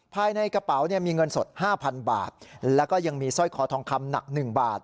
ภายในกระเป๋าเนี่ยมีเงินสด๕๐๐๐บาทแล้วก็ยังมีสร้อยคอทองคำหนัก๑บาท